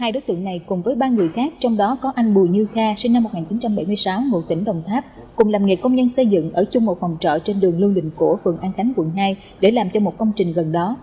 hai đối tượng này cùng với ba người khác trong đó có anh bùi như kha sinh năm một nghìn chín trăm bảy mươi sáu ngụ tỉnh đồng tháp cùng làm nghề công nhân xây dựng ở chung một phòng trọ trên đường lưu đình cổ phường an khánh quận hai để làm cho một công trình gần đó